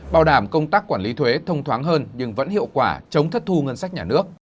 bảo đảm công tác quản lý thuế thông thoáng hơn nhưng vẫn hiệu quả chống thất thu ngân sách nhà nước